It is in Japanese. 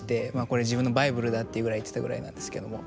「これ自分のバイブルだ」っていうぐらい言ってたぐらいなんですけども。